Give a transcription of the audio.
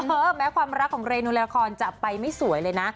แม้ความรักของเรนูละครจะไปไม่สวยเลยนะ